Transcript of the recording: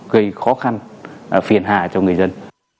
gây khó khăn phiền hà cho người dân